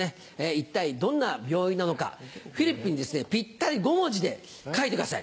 一体どんな病院なのかフリップにぴったり５文字で書いてください。